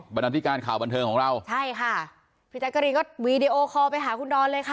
บรรดาธิการข่าวบันเทิงของเราใช่ค่ะพี่แจ๊กกะรีนก็วีดีโอคอลไปหาคุณดอนเลยค่ะ